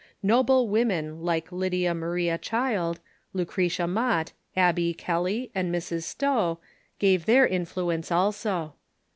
Noble women like Lydia Maria Child, Lucretia Mott, Abby Kelly, and Mrs. Stowe gave their influence also.